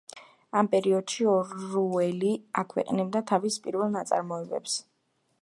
ამ პერიოდში ორუელი აქვეყნებდა თავის პირველ ნაწარმოებებს.